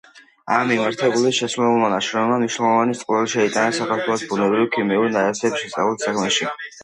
ამ მიმართულებით შესრულებულმა ნაშრომებმა მნიშვნელოვანი წვლილი შეიტანა საქართველოში ბუნებრივი ქიმიური ნაერთების შესწავლის საქმეში.